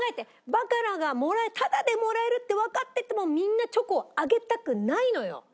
バカラがタダでもらえるってわかっててもみんなチョコをあげたくないのよ。